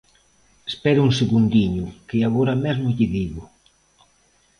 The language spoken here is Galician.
Espere un segundiño, que agora mesmo lle digo.